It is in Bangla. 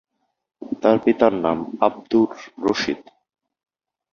তার পিতার নাম আব্দুর রশীদ।